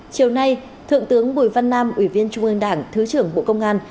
chiều nay thượng tướng bùi văn nam ủy viên trung ương đảng thứ trưởng bộ công an